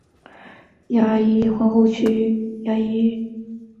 该桥连接了皇后区和曼哈顿两地。